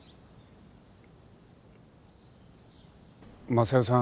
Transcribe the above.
昌代さん